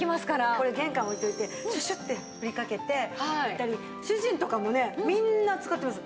これ玄関置いておいてシュシュッて振りかけていったり主人とかもねみんな使ってます。